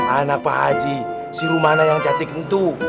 anak pak haji si rumana yang cantik itu